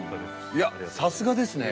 いやさすがですね。